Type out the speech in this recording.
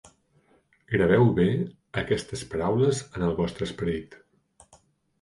Graveu bé aquestes paraules en el vostre esperit.